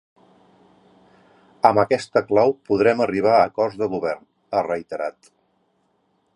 Amb aquesta clau podrem arribar a acords de govern, ha reiterat.